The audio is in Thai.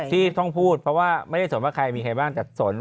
ที่ต้องพูดเพราะว่าไม่ได้สนว่าใครมีใครบ้างตัดสน